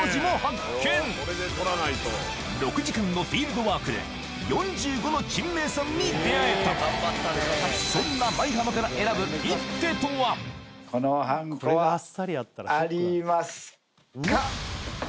６時間のフィールドワークで４５の珍名さんに出会えたそんなこのはんこはありますか？